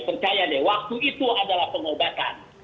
percaya deh waktu itu adalah pengobatan